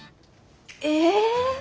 え？